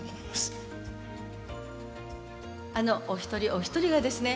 あのお一人お一人がですね